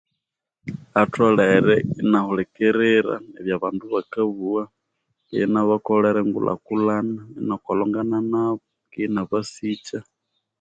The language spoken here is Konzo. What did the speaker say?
Atholere inahulikirira ebyabandu bakabugha inabakolera engulhakulhana inakolengana nabu ke inabasikya